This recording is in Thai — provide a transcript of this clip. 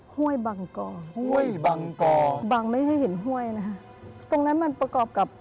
ห้วยบังกอห้วยบังกอบังไม่ให้เห็นห้วยนะคะตรงนั้นมันประกอบกับ